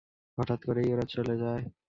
হঠাত করেই ওরা চলে যায়।